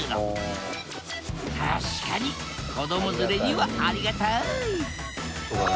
確かに子ども連れにはありがたい！